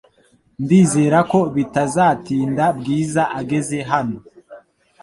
Ndizera ko bitazatinda Bwiza ageze hano .